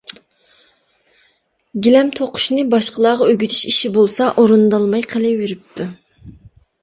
گىلەم توقۇشنى باشقىلارغا ئۆگىتىش ئىشى بولسا ئورۇندالماي قېلىۋېرىپتۇ.